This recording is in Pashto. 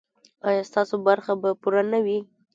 ایا ستاسو برخه به پوره نه وي؟